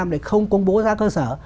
để không công bố giá cơ sở